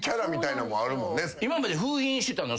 今まで封印してたの？